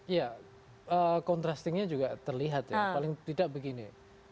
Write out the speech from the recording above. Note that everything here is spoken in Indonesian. iya kontrastingnya juga terlihat paling tidak begini